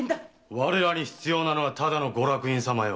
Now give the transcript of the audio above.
⁉我らに必要なのはただのご落胤様よ。